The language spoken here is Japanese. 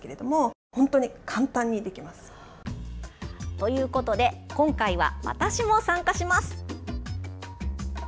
ということで今回は私も参加します。